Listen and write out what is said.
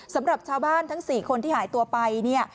สำหรับชาวบ้านทั้ง๔คนที่หายตัวไปเนี่ย